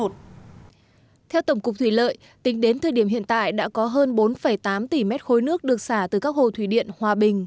theo tổng cục thủy lợi tính đến thời điểm hiện tại đã có hơn bốn tám tỷ mét khối nước được xả từ các hồ thủy điện hòa bình